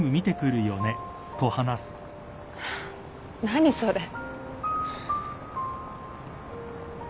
何それ。